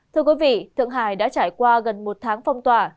thưa quý vị thượng hải đã trải qua gần một tháng phong tỏa